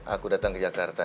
aku datang ke jakarta